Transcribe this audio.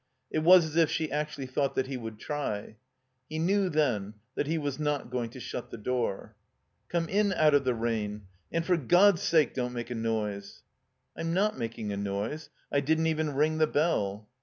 It was as if she actually thought that he would try. He knew then that he was not going to shut the door. ''Come in out of the rain. And for God's sake don't make a noise." ''I'm not making a noise. I didn't even ring the bell."